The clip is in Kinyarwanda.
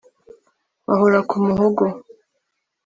bahora kumuhogo